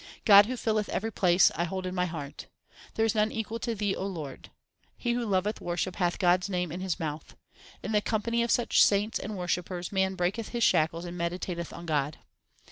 God who filleth every place, I hold in my heart. There is none equal to Thee, O Lord. He who loveth worship hath God s name in his mouth. In the company of such saints and worshippers Man breaketh his shackles and meditateth on God.